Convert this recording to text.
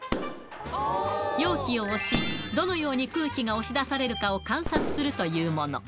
容器を押し、どのように空気が押し出されるかを観察するというもの。